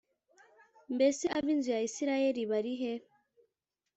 mbese ab inzu ya isirayeli barihe